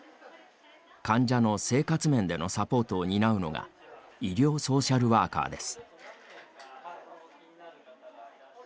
患者の生活面でのサポートを担うのが医療ソーシャルワーカーです。